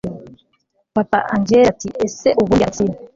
papa angella ati ese ubundi alex